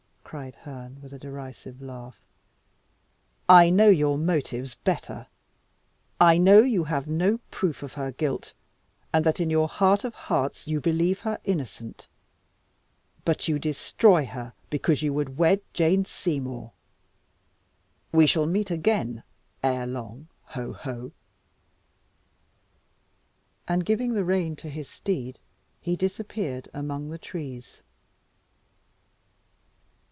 cried Herne, with a derisive laugh. "I know your motives better; I know you have no proof of her guilt, and that in your heart of hearts you believe her innocent. But you destroy her because you would wed Jane Seymour! We shall meet again ere long ho! ho! ho!" And giving the rein to his steed, he disappeared among the trees.